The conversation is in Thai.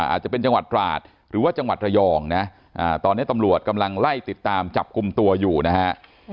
อาจจะเป็นจังหวัดตราดหรือว่าจังหวัดระยองนะตอนนี้ตำรวจกำลังไล่ติดตามจับกลุ่มตัวอยู่นะฮะ